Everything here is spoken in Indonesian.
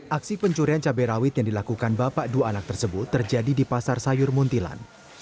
aksi pencurian cabai rawit yang dilakukan bapak dua anak tersebut terjadi di pasar sayur muntilan